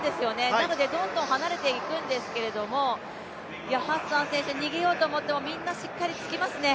なのでどんどん離れていくんですけども、ハッサン選手逃げようと思ってもみんなしっかりつきますね。